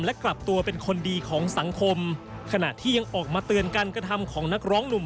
และกลับตัวเป็นคนดีของสังคมขณะที่ยังออกมาเตือนการกระทำของนักร้องหนุ่ม